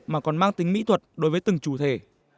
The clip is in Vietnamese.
mà còn mang tính mỹ thuật đối với từng chủ thể